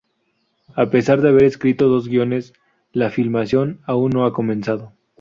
A pesar de haber escrito dos guiones, la filmación aún no ha comenzado.